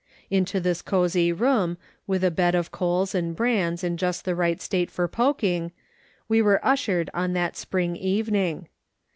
Into this cosy room, with a bed of coals and brands in just the right state for poking, we were ushered on that spring evening.